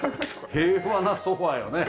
平和なソファよね。